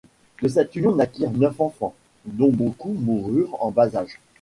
De cette union naquirent neuf enfants, dont beaucoup moururent en bas âge.